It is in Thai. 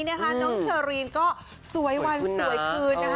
น้องเชอรีนก็สวยวันสวยคืนนะคะ